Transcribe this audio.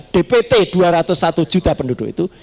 dpt dua ratus satu juta penduduk itu